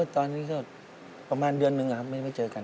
ตอนนี้ก็ประมาณเดือนหนึ่งครับไม่ได้เจอกัน